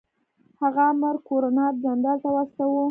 هغه امر ګورنر جنرال ته واستاوه.